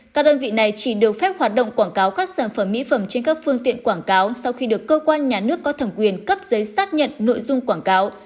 các đơn vị này chỉ được phép hoạt động quảng cáo các sản phẩm mỹ phẩm trên các phương tiện quảng cáo sau khi được cơ quan nhà nước có thẩm quyền cấp giấy xác nhận nội dung quảng cáo